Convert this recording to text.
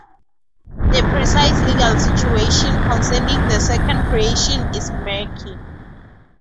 The precise legal situation concerning the second creation is murky.